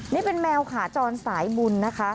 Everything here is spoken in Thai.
นี่เป็นแมวขาจรสายบุญนะคะ